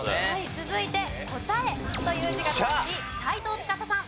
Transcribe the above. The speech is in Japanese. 続いて「答」という字が続き斎藤司さん。